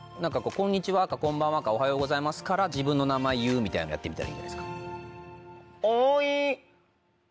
「こんにちは」か「こんばんは」か「おはようございます」から自分の名前言うみたいなのやってみたら。